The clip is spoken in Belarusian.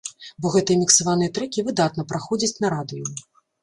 Бо гэтыя міксаваныя трэкі выдатна праходзяць на радыё.